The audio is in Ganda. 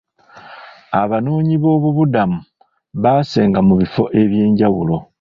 Abanoonyiboobubudamu baasenga mu bifo ebyenjawulo.